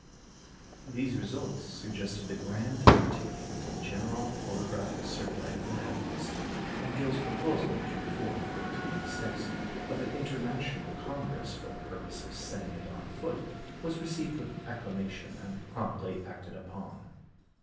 These results suggested the grand undertaking of a general photographic survey of the heavens, and Gill's proposal, June 4, 1886, of an International Congress for the purpose of setting it on foot was received with acclamation, and promptly acted upon.